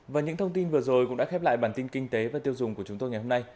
và những thông tin vừa rồi cũng đã khép lại bản tin kinh tế và tiêu dùng của chúng tôi ngày hôm nay